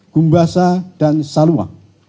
gumbasa dan salua